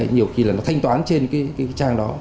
nhiều khi là nó thanh toán trên cái trang đó